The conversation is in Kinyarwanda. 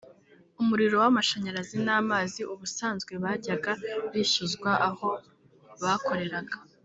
umuriro w’amashanyarazi n’amazi ubusanzwe bajyaga bishyuzwa aho bakoreraga